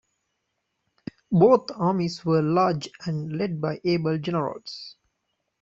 Both armies were large and led by able generals.